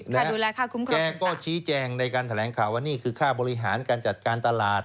และแกก็ชี้แจงในการแถลงข่าวว่านี่คือข้าบริหารการจัดการตลาด